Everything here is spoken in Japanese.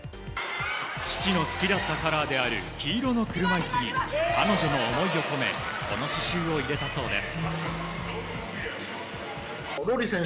父の好きだったカラーである黄色の車いすに彼女の思いを込めこの刺しゅうを入れたそうです。